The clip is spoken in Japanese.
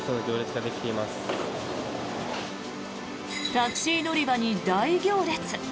タクシー乗り場に大行列。